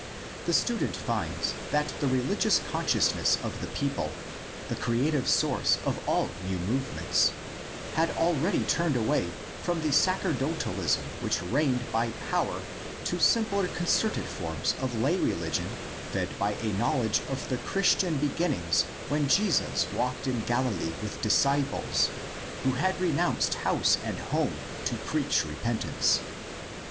The student finds that the religious consciousness of the people — the creative source of all new movements — had already turned away from the sacerdotalism which reigned by power to simpler concerted forms of lay religion fed by a knowledge of the Christian beginnings when Jesus walked in Galilee with disciples who had renounced house and home to preach repentance.